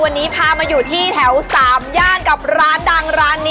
วันนี้พามาอยู่ที่แถว๓ย่านกับร้านดังร้านนี้